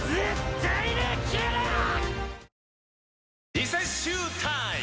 リセッシュータイム！